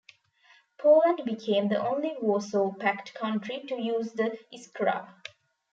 Poland became the only Warsaw pact country to use the Iskra.